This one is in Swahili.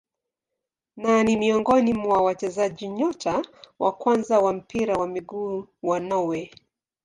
Na ni miongoni mwa wachezaji nyota wa kwanza wa mpira wa miguu wa Norway.